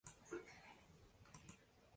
Sizlar maʼlumotni maxfiy saqlaysizlar